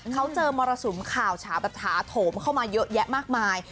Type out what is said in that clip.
เขาเจอมรสุมข่าวฉาแบบถาโถมเข้ามาเยอะแยะมากมาย